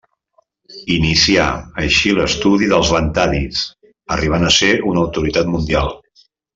Inicià, així l'estudi dels lantànids, arribant a ser una autoritat mundial.